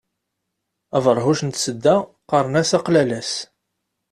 Aberhuc n tsedda qqaren-as aqlalas.